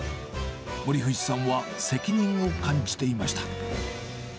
森藤さんは責任を感じていました。